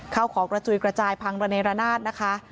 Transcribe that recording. ข้าวของกระจุยกระจายพังระเนรนาศนะคะ